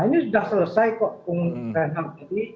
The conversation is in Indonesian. ini sudah selesai kok bung renhard